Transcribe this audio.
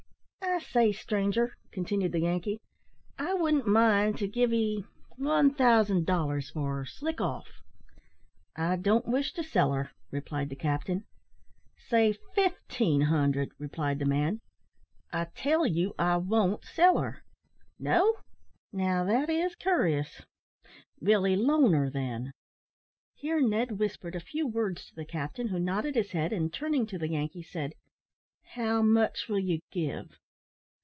"I say, stranger," continued the Yankee, "I wouldn't mind to give 'e 1000 dollars for her slick off." "I don't wish to sell her," replied the captain. "Say 1500," replied the man. "I tell you, I won't sell her." "No! Now that is kurous. Will 'e loan her, then!" Here Ned whispered a few words to the captain, who nodded his head, and, turning to the Yankee, said "How much will you give?"